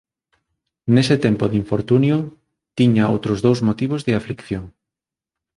Neste tempo de infortunio tiña outros dous motivos de aflición.